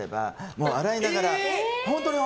もう洗いながら。